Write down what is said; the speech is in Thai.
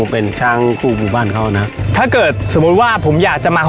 เป็นช้างคู่หมู่บ้านเขานะถ้าเกิดสมมุติว่าผมอยากจะมา